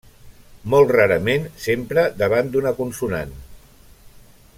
Molt rarament s'empra davant d'una consonant.